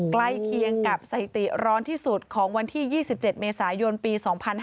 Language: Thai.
ใกล้เคียงกับสถิติร้อนที่สุดของวันที่๒๗เมษายนปี๒๕๕๙